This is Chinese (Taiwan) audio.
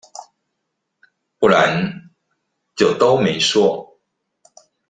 不然就都沒說